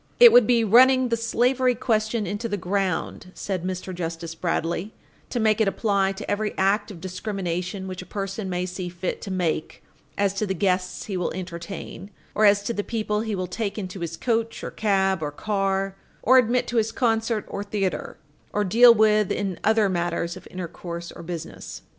"It would be running the slavery argument into the ground," said Mr. Justice Bradley, "to make it apply to every act of discrimination which a person may see fit to make as to the guests he will entertain, or as to the people he will take into his coach or cab or car, or admit to his concert or theatre, or deal with in other matters of intercourse or business."